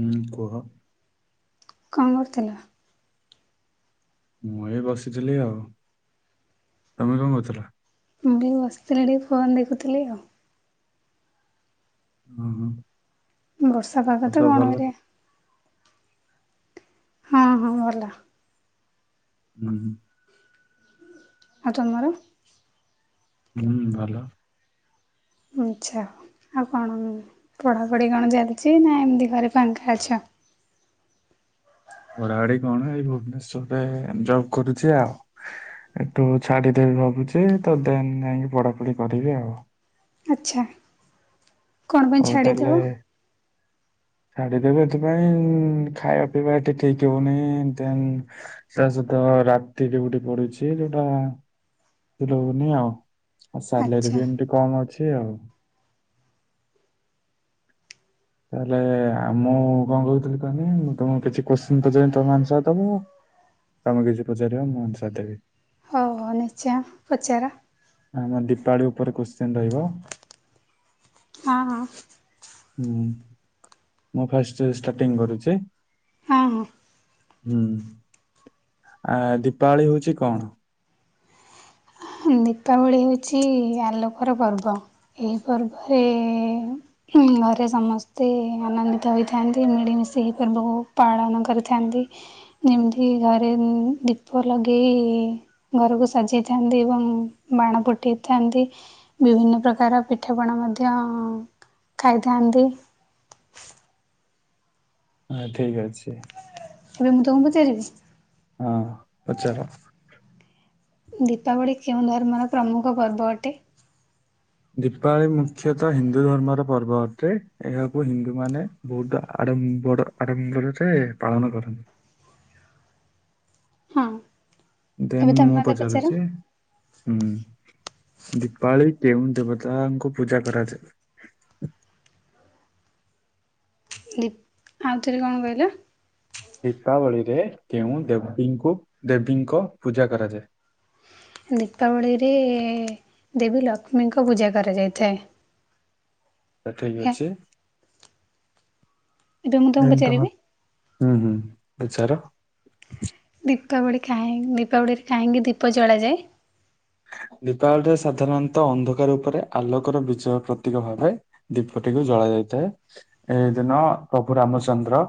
ହୁଁ କୁହ? କଣ କରୁଥିଲ? ମୁଁ ଏ ବସିଥିଲି ଆଉ। ତମେ କଣ କରୁଥୁଲ? ବୋଉ ବସିଥିଲା ଟିକେ ଫୋନ୍ ଦେଖୁଥିଲି ଆଉ। ହୁଁ ହୁଁ। ବର୍ଷା ପାଗ ତ କଣ କରିବା? ହଁ ହଁ ଭଲ। ହୁଁ ହୁଁ। ଆଉ ତମର। ହୁଁ ଭଲ। ଆଚ୍ଛା। ଆଉ କଣ ପଢ଼ାପଢ଼ି କଣ ଚାଲିଛି ନା ଏମିତି ଘରେ ଫାଙ୍କା ଅଛ? ପଢ଼ା ପଢୀ କଣ? ଏଇ ଭୁବନେଶ୍ଵରରେ ଜବ୍ କରୁଛି ଆଉ। ଏଠୁ ଛାଡିଦେବି ଭାବୁଛି, ତ ଦେନ୍ ଯାଇକି ପଢାପଢି କରିବି ଆଉ। ଆଚ୍ଛା। କଣ ପାଇଁ ହଉ ତାହଲେ। ଛାଡ଼ିଦେବ? ଛାଡିଦେବୀ ଏଥିପାଇଁ ଖାଇବା ପିଇବା ଏତେ ଠିକ ହଉନି, ଦେ ତା ସହିତ ରାତି ଡ୍ୟୁଟି ପଡୁଛି ଯୋଉଟା ରହୁନି ଆଉ। ଆଉ ସାଲେରୀ ଆଚ୍ଛା। ବି ଏମିତି କମ୍ ଅଛି ଆଉ। ତାହେଲେ ଆ ମୁଁ କଣ କହୁଥିଲି କହନି, ମୁଁ ତମକୁ କିଛି କଶ୍ଚିନ୍ ପଚାରିବି ତମେ ଆନ୍ସାର୍ ଦବ। ତମେ କିଛି ପଚାରିବ ମୁଁ ଆନ୍ସାର୍ ଦେବୀ। ମନ ଇଚ୍ଛା ପଚାର। ଆମ ଦୀପାଳି ଉପରେ କଶ୍ଚିନ୍ ରହିବ। ହଁ ହଁ। ହୁଁ। ମୁଁ ଫାଷ୍ଟ ଷ୍ଟାର୍ଟିଂ କରୁଛି? ହଁ ହଁ। ହୁଁ। ଆ ଦୀପାବଳି ହଉଛି କଣ? ଦୀପାବଳି ହେଉଛି ଆଲୋକର ପର୍ବ। ଏହି ପର୍ବରେ ଘରେ ସମସ୍ତେ ଆନନ୍ଦିତ ହୋଇଥାନ୍ତି। ମିଳିମିଶି ଏହି ପର୍ବକୁ ପାଳନ କରିଥାନ୍ତି। ଏମିତି ଘରେ ଦୀପ ଲଗେଇ ଘରକୁ ସାଜେଇଥାନ୍ତି। ଏବଂ ବାଣ ଫୁଟେଇଥାନ୍ତି। ବିଭିନ୍ନ ପ୍ରକାର ପିଠାପଣା ମଧ୍ୟ ଖାଇଥାହାନ୍ତି। ଆ ଠିକ୍ ଅଛି। ଏବେ ମୁଁ ତମକୁ ପ ଫେରିବି? ହଁ ପଚାର। ଦୀପାବଳି କେଉଁ ଧର୍ମର ପ୍ରମୁଖ ପର୍ବ ଅଟେ? ଦୀପାବଳି ମୁଖ୍ୟତଃ ହିନ୍ଦୁ ଧର୍ମର ପର୍ବ ଅଟେ। ଏହାକୁ ହିନ୍ଦୁମାନେ ବହୁତ ଆଡ଼ମ୍ବର, ଆଡମ୍ବରରେ ପାଳନ କରନ୍ତି। ହଁ। ଏବେ ଦେନ୍ ତମେ ମୁଁ ମୋତେ ପଚାର ପଚାରୁଛି? ହୁଁ ଦୀପାବଳି କେଉଁ ଦେବତାଙ୍କୁ ପୂଜା କରାଯାଏ? ଦୀ ଆଉଥରେ କଣ କହିଲ? ଦୀପାବଳିରେ କେଉଁ ଦେବୀଙ୍କୁ ଦେବୀଙ୍କ ପୂଜା କରାଯାଏ? ଦୀପାବଳିରେ ଦେବୀ ଲକ୍ଷ୍ମୀଙ୍କ ପୂଜା କରାଯାଇଥାଏ। ଠିକ୍ ଏହା ଅଛି। ଏବେ ମୁଁ ତମକୁ [unintelligible] ତମ ପଚାରିବି ହୁଁ ହୁଁ ବିଚାର ଦୀପାବଳି କାହିଁ ଦୀପାବଳିରେ କାହିଁକି ଦୀପ ଜଳାଯାଏ? ଦୀପାବଳିରେ ସାଧାରଣତଃ ଅନ୍ଧକାର ଉପରେ ଆଲୋକର ବିଜୟ ପ୍ରତୀକ ଭାବେ ଦୀପଟିକୁ ଜଳା ଯାଇଥାଏ ଏଇ ଦିନ ପ୍ରଭୁ ରାମଚନ୍ଦ୍ର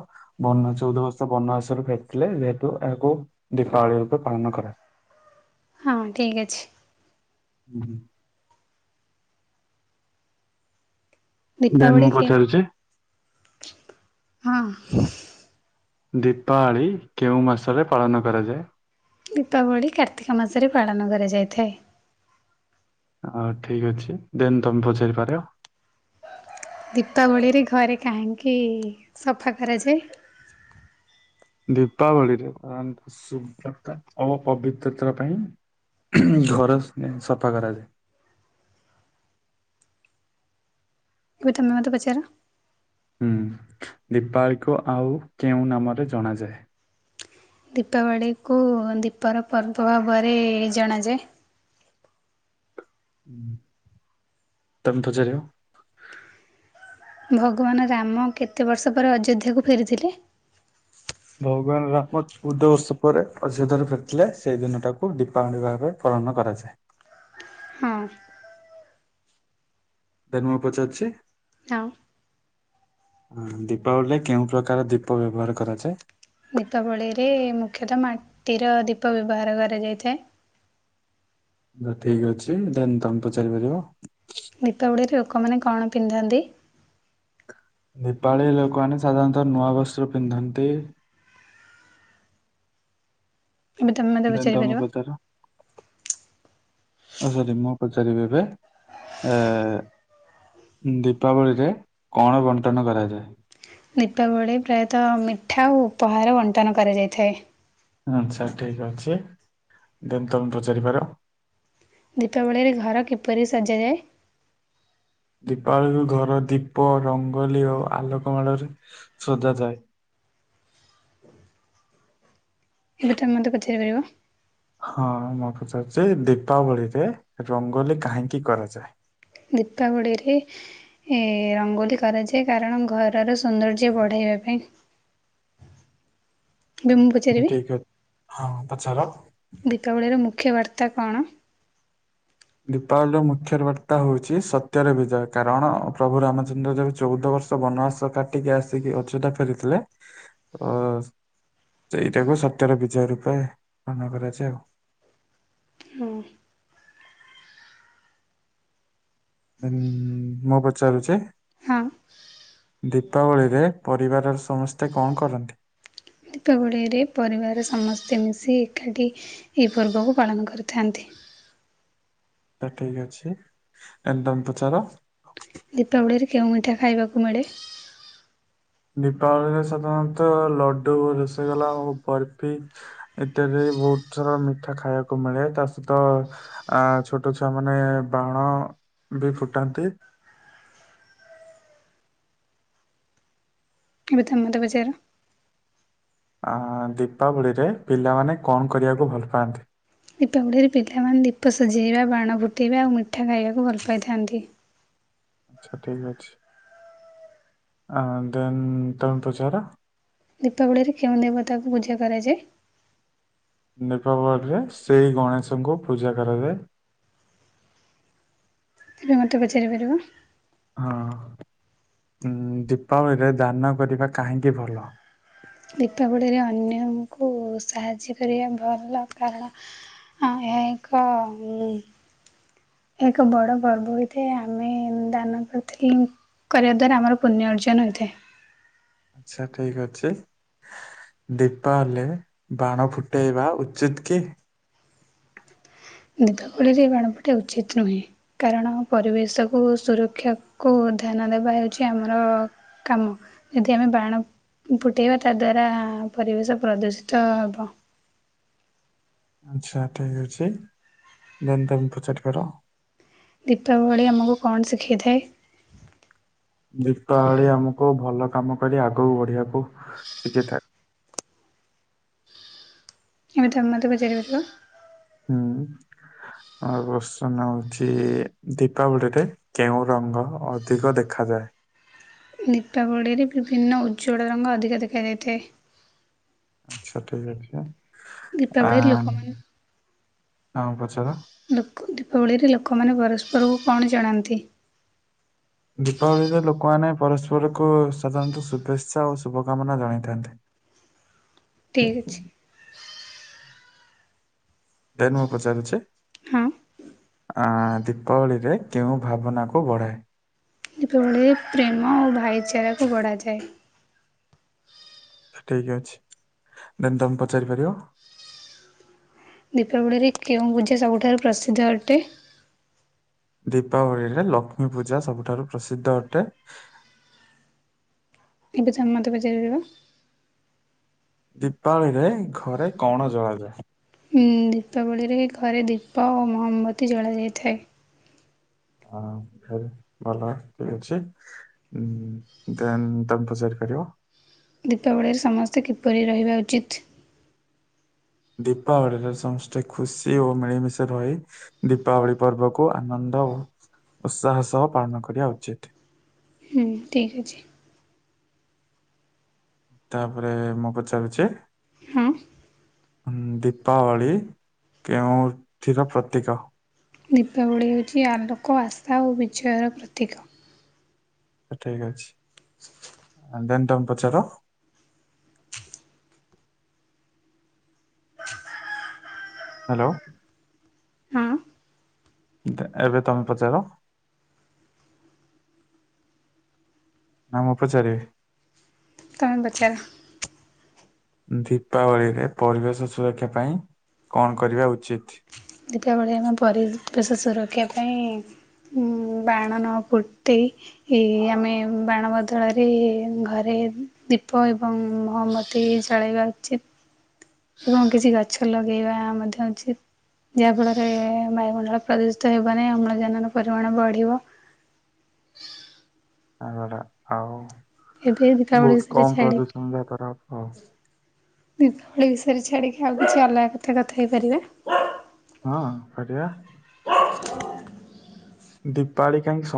ବନ ଚଉଦ ବର୍ଷ ବନବାସରୁ ଫେରିଥିଲେ ଯେହେତୁ ଏହାକୁ ଦୀପାବଳି ରୂପେ ପାଳନ କରା ହଁ ଠିକ୍ ଅଛି। ହୁଁ ହୁଁ। ଦେନ୍ ଦୀପାବଳି ମୁଁ ପଚାରୁଛି [unintelligible] ହଁ। ଦୀପାବଳି କେଉଁ ମାସରେ ପାଳନ କରାଯାଏ? ଦୀପାବଳି କାର୍ତ୍ତିକ ମାସରେ ପାଳନ କରାଯାଇଥାଏ। ହଉ ଠିକ୍ ଅଛି ଦେନ୍ ତମେ ପଚାରିପାର। ଦୀପାବଳିରେ ଘରେ କାହିଁକି ସଫା କରାଯାଏ? ଦୀପାବଳିରେ ଶୁଭ୍ରତା ଓ ପବିତ୍ରତା ପାଇଁ ଘର ସଫା କରାଯାଏ। ଏବେ ତମେ ମତେ ପଚାର। ହୁଁ ଦୀପାବଳି କୁ ଆଉ କେଉଁ ନାମରେ ଜଣାଯାଏ? ଦୀପାବଳିକୁ ଦୀପର ପର୍ବ ଭାବରେ ଜଣାଯାଏ। ତମେ ପଚାରିବ। ଭଗବାନ୍ ରାମ କେତେ ବର୍ଷ ପରେ ଅଯୋଧ୍ୟାକୁ ଫେରିଥିଲେ? ଭଗବାନ୍ ରାମ ଚଉଦ ବର୍ଷ ପରେ ଅଯୋଧ୍ୟା [unintelligible] ଫେରିଥିଲେ ସେଇ ଦିନ ଟାକୁ ଦୀପାବଳି ଭାବେ ପାଳନ କରାଯାଏ। ହଁ। ଦେନ୍ ମୁଁ ପଚାରୁଛି। [unintelligible] ଉ। ହଁ ଦୀପାବଳିରେ କେଉଁ ପ୍ରକାର ଦୀପ ବ୍ୟବହାର କରାଯାଏ? ଦୀପାବଳିରେ ମୁଖ୍ୟତଃ ମାଟିର ଦୀପ ବ୍ୟବହାର କରାଯାଇଥାଏ। ହଁ ଠିକ୍ ଅଛି ଦେନ୍ ତମେ ପଚାରି ପାରିବ। ଦୀପାବଳିରେ ଲୋକମାନେ କଣ ପିନ୍ଧନ୍ତି? ଦିପାବଳୀ ରେ ଲୋକମାନେ ସାଧାରଣତଃ ନୂଆ ବସ୍ତ୍ର ପିନ୍ଧନ୍ତି। ଏବେ ତମେ ମୋତେ ଦେନ୍ ତମେ ପଚାରିପାରିବ ପଚାର। ହଁ [unintelligible] ପଚାରିବେ ଏବେ ଏ ଦୀପାବଳିରେ କଣ ବଣ୍ଟନ କରାଯାଏ? ଦୀପାବଳି ପ୍ରାୟତଃ ମିଠା ଓ ଉପହାର ବଣ୍ଟନ କରାଯାଇଥାଏ। ଆଚ୍ଛା ଠିକ୍ ଅଛି ଦେନ୍ ତମେ ପଚାରିପାର। ଦୀପାବଳିରେ ଘର କିପରି ସଜାଯାଏ? ଦୀପାବଳି କୁ ଘର ଦୀପ ରଙ୍ଗୋଲି ଓ ଆଲୋକମାଳରେ ସଜାଯାଏ। ଏବେ ତମେ ମତେ ପଚାରି ପାରିବ। ହଁ ମୁଁ ପଚାରୁଛି ଦୀପାବଳିରେ ରଙ୍ଗୋଲି କାହିଁକି କରାଯାଏ? ଦୀପାବଳି ରେ ଏ ରଙ୍ଗୋଲି କରାଯାଏ କାରଣ ଘରର ସୌନ୍ଦର୍ଯ୍ୟ ବଢ଼ାଇବା ପାଇଁ। ଏବେ ମୁଁ ପଚାରିବି। ଠିକ ଅଛି। ହଁ ପଚାର। ଦୀପାବଳିର ମୁଖ୍ୟ ବାର୍ତ୍ତା କଣ? ଦୀପାବଳିର ମୁଖ୍ୟ ବାର୍ତ୍ତା ହଉଛି ସତ୍ୟର ବିଜୟ କାରଣ ପ୍ରଭୁ ରାମଚନ୍ଦ୍ର [unintelligible] ଚଉଦ ବର୍ଷ ବନବାସ କାଟିକି ଆସିକି ଅଯୋଧ୍ୟା ଫେରିଥିଲେ ଅ ସେଇଟା କୁ ସତ୍ୟ ର [unintelligible] ଆଉ। ହୁଁ। [unintelligible] ମୁଁ ପଚାରୁଚି? ହଁ ଦୀପାବଳିରେ ପରିବାରର ସମସ୍ତେ କଣ କରନ୍ତି? ଦୀପାବଳିରେ ପରିବାର ର ସମସ୍ତେ ମିଶି ଏକାଠି ଏହି ପର୍ବକୁ ପାଳନ କରିଥାନ୍ତି। ତାହେଲେ ଠିକ୍ ଅଛି। ଏଇନେ ତମେ ପଚାର। ଦୀପାବଳିରେ କେଉଁ ମିଠା ଖାଇବାକୁ ମିଳେ? ଦୀପାବଳିରେ ସାଧାରଣତଃ ଲଡୁ, ରସଗୋଲା ଆଉ ବର୍ଫି ଏତରେ ବହୁତ ସାରା ମିଠା ଖାଇବାକୁ ମିଳେ ତା ସହିତ ଆ ଛୋଟ ଛୁଆ ମାନେ ବାଣ ବି ଫୁଟାନ୍ତି। ଏବେ ତମେ ମତେ ପଚାର। ଅ ଦୀପାବଳିରେ ପିଲାମାନେ କଣ କରିବାକୁ ଭଲ ପାଆନ୍ତି? ଦୀପାବଳିରେ ପିଲାମାନେ ଦୀପ ସଜେଇବା ବାଣ ଫୁଟାଇବା ଆଉ ମିଠା ଖାଇବାକୁ ଭଲ ପାଇଥାନ୍ତି। ସେ ଠିକ୍ ଅଛି। ଆ ଦେନ୍ ତମେ ପଚାର। ଦୀପାବଳିରେ କେଉଁ ଦେବତାଙ୍କୁ ପୂଜା କରାଯାଏ? ଦୀପାବଳି ରେ ଶ୍ରୀ ଗଣେଶଙ୍କୁ ପୂଜା କରାଯାଏ। ଏବେ ମୋତେ ପଚାରିପାରିବ। ହଁ। ଉଁ ଦୀପାବଳିରେ ଦାନ କରିବା କାହିଁକି ଭଲ? ଦୀପାବଳିରେ ଅନ୍ୟଙ୍କୁ ସାହାଯ୍ୟ କରିବା ଭଲ। କାରଣ ଏହା ଏକ ଏକ ବଡ଼ ପର୍ବ ହୋଇଥାଏ। ଆମେ ଦାନ କରିଥିଲି କରିବା ଦ୍ୱାରା ଆମର ପୁଣ୍ୟ ଅର୍ଜନ ହୋଇଥାଏ। ସେ ଠିକ୍ ଅଛି। ଦୀପାବଳି ରେ ବାଣ ଫୁଟେଇବା ଉଚିତ କି? ଦୀପାବଳିରେ ବାଣ ଫୁଟେଇବା ଉଚିତ ନୁହେଁ। କାରଣ ପରିବେଶକୁ ସୁରକ୍ଷାକୁ ଧ୍ୟାନ ଦେବା ହେଉଛି ଆମର କାମ, ଯଦି ଆମେ ବାଣ ଫୁଟେଇବା ତା ଦ୍ୱାରା ପରିବେଶ ପ୍ରଦୂଷିତ ହେବ। ଆଚ୍ଛା ଠିକ୍ ଅଛି। ଦେନ୍ ତମେ ପଚାରିପାର। ଦୀପାବଳି ଆମକୁ କଣ ଶିଖାଇଥାଏ? ଦୀପାବଳି ଆମକୁ ଭଲ କାମ କରି ଆଗକୁ ବଢିବାକୁ ଶିଖେଇଥାଏ। ଏବେ ତମେ ମତେ ପଚାରିପାରିବ। ହୁଁ। ଆଉ ପ୍ରଶ୍ନ ହଉଚି ଦୀପାବଳିରେ କେଉଁ ରଙ୍ଗ ଅଧିକ ଦେଖାଯାଏ? ଦୀପାବଳିରେ ବିଭିନ୍ନ ଉଜ୍ଜ୍ୱଳ ରଙ୍ଗ ଅଧିକା ଦେଖାଯାଇଥାଏ। ଆଚ୍ଛା ଠିକ୍ ଅଛି। ଆ ଦୀପାବଳିରେ ଲୋକମାନେ ତମେ ପଚାର। ଲୋକ ଦୀପାବଳିରେ ଲୋକମାନେ ପରସ୍ପରକୁ କଣ ଜଣାନ୍ତି? ଦୀପାବଳିରେ ଲୋକମାନେ ପରସ୍ପରକୁ ସାଧାରଣତଃ ଶୁଭେଚ୍ଛା ଓ ଶୁଭକାମନା ଜଣାଇଥାନ୍ତି। ଠିକ୍ ଅଛି। ଦେନ୍ ମୁଁ ପଚାରୁଚି। ହଁ। ଆଁ ଦୀପାବଳିରେ କେଉଁ ଭାବନାକୁ ବଢ଼ାଏ? ଦୀପାବଳିରେ ପ୍ରେମ ଆଉ ଭାଇଚାରାକୁ ବଢ଼ାଇଥାଏ। ଠିକ୍ ଅଛି। ଦେନ୍ ତମେ ପଚାରିପାରିବ। ଦୀପାବଳିରେ କେଉଁ ପୂଜା ସବୁଠାରୁ ପ୍ରସିଦ୍ଧ ଅଟେ? ଦୀପାବଳିରେ ଲକ୍ଷ୍ମୀ ପୂଜା ସବୁଠାରୁ ପ୍ରସିଦ୍ଧ ଅଟେ। ଏବେ ତମେ ମତେ ପଚାରିପାରିବ। ଦୀପାବଳି ରେ ଘରେ କଣ ଜଳାଯାଏ? ହୁଁ ଦୀପାବଳିରେ ଘରେ ଦୀପ ଓ ମହମବତୀ ଜଳାଯାଇଥାଏ। ହଁ ବୋହୁତ ଭଲ ଠିକ୍ ଅଛି। ଉଁ ଦେନ୍ ତମ୍ ପଚାରି ପାରିବ। ଦୀପାବଳିରେ ସମସ୍ତେ କିପରି ରହିବା ଉଚିତ୍। ଦୀପାବଳିରେ ସମସ୍ତେ ଖୁସି ଓ ମିଳିମିଶି ରହି ଦୀପାବଳି ପର୍ବକୁ ଆନନ୍ଦ ଓ ଉତ୍ସାହ ସହ ପାଳନ କରିବା ଉଚିତ। ହୁଁ ଠିକ୍ ଅଛି। ତାପରେ ମୁଁ ପଚାରୁଚି। ହଁ। ଆମ୍ ଦୀପାବଳି କେଉଁଥିର ପ୍ରତୀକ। ଦୀପାବଳି ହେଉଛି ଆଲୋକ ଆଶା ଓ ବିଜୟର ପ୍ରତୀକ। ଠିକ ଅଛି। ଅଁ ଦେନ୍ ତମ୍ ପଚାର। ହାଲୋ। ହଁ ଦେ ଏବେ ତମେ ପଚାର। ନା ମୁଁ ପଚାରିବି। ତାମେ ପଚାର। ଦୀପାବଳିରେ ପରିବେଶ ସୁରକ୍ଷା ପାଇଁ କଣ କରିବା ଉଚିତ୍। ଦୀପାବଳି ଆମେ ପରିବେଶ ସୁରକ୍ଷା ପାଇଁ। ଉଁ ବାଣ ନ ଫୁଟେଇ। ଏଇ ଆମେ ବାଣ ବଦଳରେ ଘରେ ଦୀପ ଏବଂ ମହମ ତୀ ଯଳେଇବା ଉଚିତ୍। [inaudible] ଏବଂ କିଛି ଗଛ ଲଗେଇବା ମଧ୍ୟ ଉଚିତ୍। ଯାହା ଫଳରେ ବାୟୁମଣ୍ଡଳ ପ୍ରଦୂଷିତ ହେବ ନାହିଁ ଅମ୍ଳଜାନର ପରିମାଣ ବଢି଼ବ। ତାପରେ ଆଉ ଏବେ ଦୀପାବଳି ବୋହୁତ ବିଷୟରେ କମ୍ ଛାଡ଼ିକି ପ୍ରଦୂଷଣ। [unintelligible] ଦୀପାବଳି ବିଷୟରେ ଛାଡ଼ିକି ଆଉ କିଛି ଅଲଗା କଥା କଥା ହେଇପାରିବା। ହଁ ପାରିବା। ଦୀପାବଳି କାହିଁକି ସ